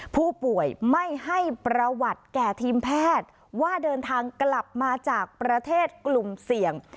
ผู้ป่วยไม่ให้ประวัติแก่ทีมแพทย์ว่าเดินทางกลับมาจากประเทศกลุ่มเสี่ยง